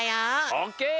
オッケー！